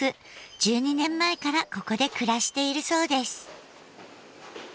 １２年前からここで暮らしているそうです。